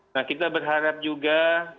nah kita berharap juga